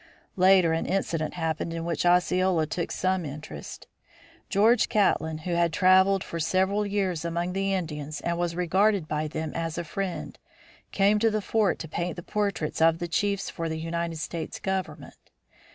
Later an incident happened in which Osceola took some interest. George Catlin, who had traveled for several years among the Indians and was regarded by them as a friend, came to the fort to paint the portraits of the chiefs for the United States government.